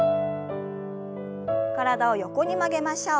体を横に曲げましょう。